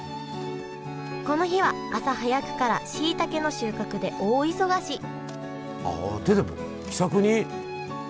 この日は朝早くからしいたけの収穫で大忙しあ手で。